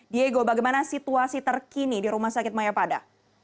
diego bagaimana situasi terkini di rumah sakit mayapada